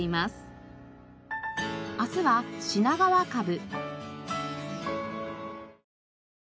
明日は品川カブ。